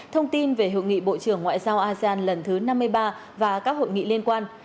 thông tin về hội nghị bộ trưởng ngoại giao asean lần thứ năm mươi ba và các hội nghị liên quan